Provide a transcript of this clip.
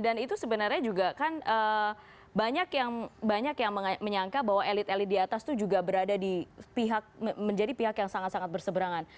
dan itu sebenarnya juga kan banyak yang menyangka bahwa elit elit di atas itu juga berada di pihak menjadi pihak yang sangat sangat berseberangan